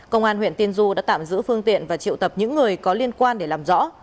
công an huyện tiên du đã tạm giữ phương tiện và triệu tập những người có liên quan để làm rõ